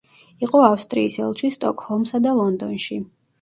იყო ავსტრიის ელჩი სტოკჰოლმსა და ლონდონში.